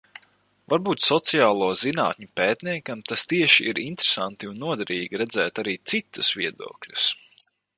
Varbūt sociālo zinātņu pētniekam tas tieši ir interesanti un noderīgi, redzēt arī citus viedokļus...